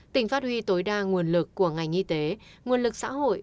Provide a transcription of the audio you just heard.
tỉnh phát huy tối đa nguồn lực của ngành y tế nguồn lực xã hội